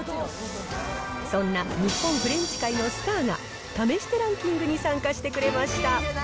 そんな日本フレンチ界のスターが、試してランキングに参加してくれました。